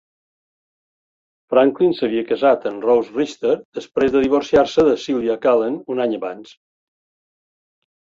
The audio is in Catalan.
Franklin s'havia casat amb Rose Richter després de divorciar-se de Sylvia Calen un any abans.